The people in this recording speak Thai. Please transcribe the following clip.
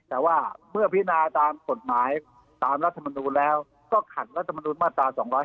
แต่ว่าเมื่อพินาตามกฎหมายตามรัฐมนูลแล้วก็ขัดรัฐมนุนมาตรา๒๗